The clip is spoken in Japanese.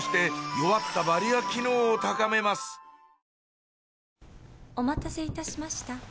え．．．お待たせいたしました